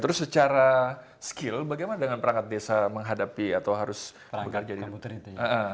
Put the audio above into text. terus secara skill bagaimana dengan perangkat desa menghadapi atau harus bekerja di muter itu